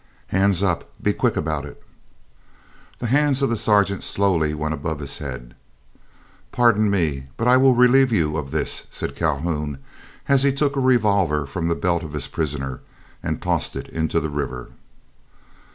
"Hands up! Be quick about it!" The hands of the sergeant slowly went above his head. "Pardon me, but I will relieve you of this," said Calhoun, as he took a revolver from the belt of his prisoner, and tossed it into the river.